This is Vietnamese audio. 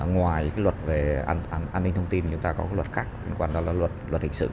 ngoài luật về an ninh thông tin chúng ta có luật khác liên quan đến luật hình sự